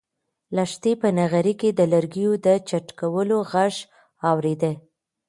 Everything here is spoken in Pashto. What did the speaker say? لښتې په نغري کې د لرګیو د چټکولو غږ اورېده.